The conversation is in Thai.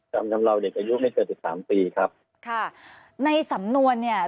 จำทำเราเด็กอายุไม่เกินสิบสามปีครับค่ะในสำนวนเนี่ย